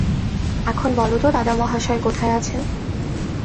এখন বলো তো দাদামহাশয় কোথায় আছেন।